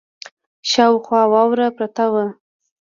شاوخوا واوره پرته وه.